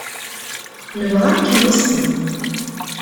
Nebɣa ad kem-nissin.